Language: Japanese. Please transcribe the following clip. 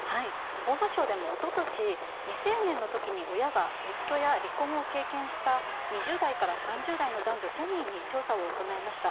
法務省でも未成年の時、親が離婚を経験した２０代から３０代の男女１０００人に調査を行いました。